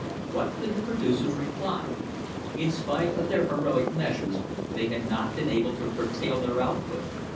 What could the producers reply? In spite of their heroic measures, they had not been able to curtail their output.